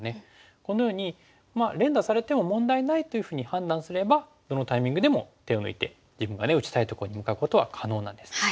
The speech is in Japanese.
このようにまあ連打されても問題ないというふうに判断すればどのタイミングでも手を抜いて自分が打ちたいとこに向かうことは可能なんです。